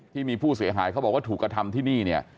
ที่มีผู้เสียหายเขาบอกว่าถูกกระทำที่นี่เนี่ย